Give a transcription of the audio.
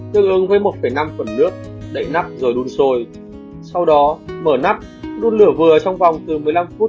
tương ứng với một năm phần nước đậy nắp rồi đun sôi sau đó mở nắp đun lửa vừa trong vòng từ một mươi năm phút